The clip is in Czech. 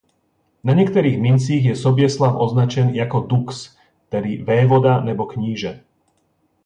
Na některých mincích je Soběslav označen jako „dux“ tedy vévoda nebo kníže.